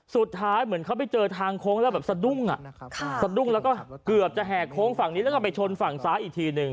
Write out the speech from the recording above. เหมือนเขาไปเจอทางโค้งแล้วแบบสะดุ้งสะดุ้งแล้วก็เกือบจะแห่โค้งฝั่งนี้แล้วก็ไปชนฝั่งซ้ายอีกทีหนึ่ง